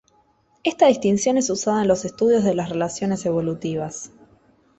Esta distinción es usada en los estudios de las relaciones evolutivas.